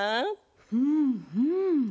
うんうん。